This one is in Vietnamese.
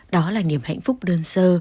đó là niềm hạnh phúc đơn sơ